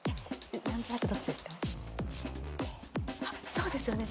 そうですよね。